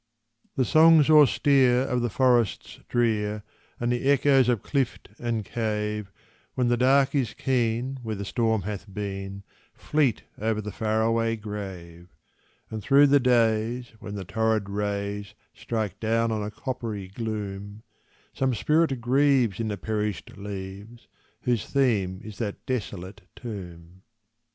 The songs austere of the forests drear, And the echoes of clift and cave, When the dark is keen where the storm hath been, Fleet over the far away grave. And through the days when the torrid rays Strike down on a coppery gloom, Some spirit grieves in the perished leaves, Whose theme is that desolate tomb.